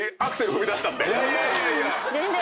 いやいやいやいや。